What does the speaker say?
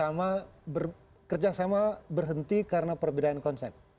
sama kerjasama berhenti karena perbedaan konsep